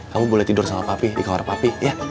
kamu boleh tidur sama papi di kamar papi ya